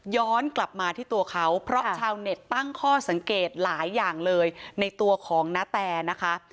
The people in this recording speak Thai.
ย้อนกลับมาที่ตัวเขาเพราะชาวเน็ตตั้งข้อสังเกตหลายอย่างเลยในตัวของนาแตนะคะ